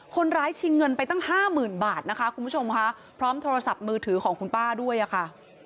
คนร้ายชิงเงินไปตั้ง๕๐๐๐๐บาทนะคะครับพร้อมโทรศัพท์มือถือของคุณป้าด้วยค่ะ